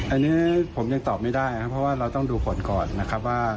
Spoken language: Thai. อันนี้ผมยังตอบไม่ได้นะครับเพราะว่าเราต้องดูผลก่อนนะครับว่า